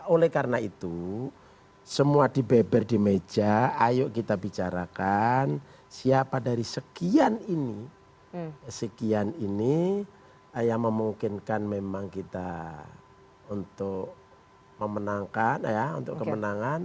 oleh karena itu semua dibeber di meja ayo kita bicarakan siapa dari sekian ini sekian ini yang memungkinkan memang kita untuk memenangkan untuk kemenangan